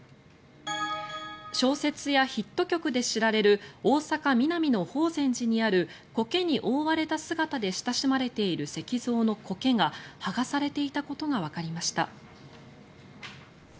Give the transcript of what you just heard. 小説やヒット曲で知られる大阪・ミナミの法善寺にあるコケに覆われた姿で親しまれている石像のコケが剥がされていたことがわかりました。